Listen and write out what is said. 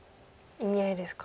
意味合いですか。